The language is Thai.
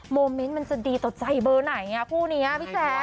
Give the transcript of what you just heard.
โมเมนต์มันจะดีต่อใจเบอร์ไหนคู่นี้พี่แจ๊ค